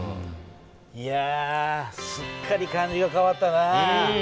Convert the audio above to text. いやすっかり感じが変わったな。